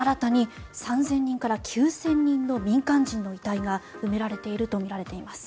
柳澤さん、新たに３０００人から９０００人の民間人の遺体が埋められているとみられています。